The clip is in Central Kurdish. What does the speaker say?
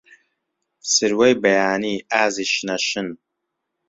سروەی بەیانی، ئازیز شنە شن